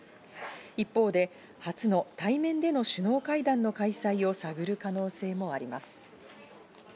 一方で初の対面での首脳会談の開催を探る可能性もあります。